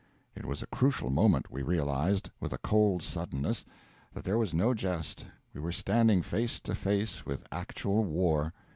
It was a crucial moment; we realised, with a cold suddenness, that here was no jest we were standing face to face with actual war.